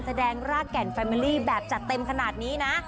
รากแก่นแฟมิลี่แบบจัดเต็มขนาดนี้นะ